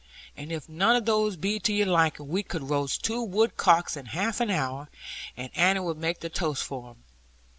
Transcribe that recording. And if none of those be to your liking, we could roast two woodcocks in half an hour, and Annie would make the toast for them.